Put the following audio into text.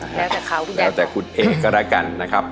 แล้วแต่เขาอยู่แล้วแต่คุณเอกก็แล้วกันนะครับ